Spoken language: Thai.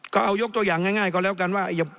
ก็เอายกตัวอย่างง่ายก็แล้วกันว่า